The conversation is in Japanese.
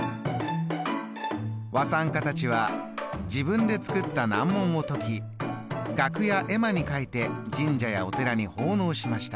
和算家たちは自分で作った難問を解き額や絵馬に書いて神社やお寺に奉納しました。